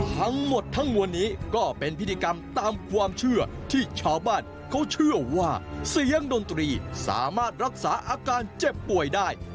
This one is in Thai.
ทั้งหมดทั้งมวลนี้ก็เป็นพิธีกรรมตามความเชื่อที่ชาวบ้านเขาเชื่อว่าเสียงดนตรีสามารถรักษาอาการเจ็บป่วยได้